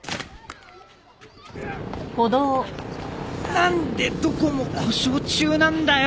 何でどこも故障中なんだよ！